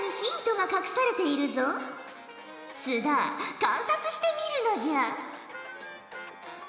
須田観察してみるのじゃ。